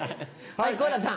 はい。